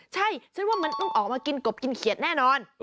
ใช่ฉันว่ามันต้องออกมากินกบกินเขียดแน่นอน